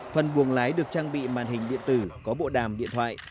phần buồng lái được trang bị màn hình điện tử có bộ đàm điện thoại